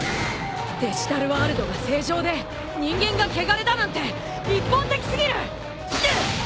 デジタルワールドが清浄で人間が穢れだなんて一方的すぎる！